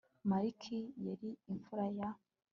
makiri yari imfura ya